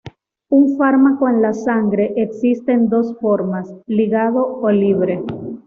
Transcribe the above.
Un fármaco en la sangre existe en dos formas: ligado o libre.